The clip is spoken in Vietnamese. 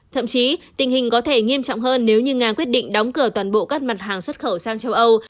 thậm chí tình hình có thể nghiêm trọng hơn nếu như nga quyết định đóng cửa toàn bộ các mặt hàng xuất khẩu sang châu âu